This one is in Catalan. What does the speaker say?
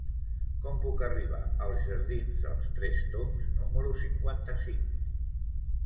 Com puc arribar als jardins dels Tres Tombs número cinquanta-cinc?